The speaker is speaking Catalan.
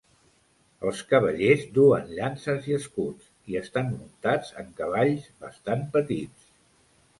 Els cavallers duen llances i escuts, i estan muntats en cavalls bastant petits.